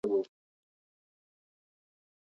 نواب ژر خبر شو چې ابدالي خپل هیواد ته روان دی.